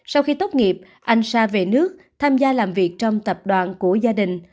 sau khi tốt nghiệp anh sa về nước tham gia làm việc trong tập đoàn của gia đình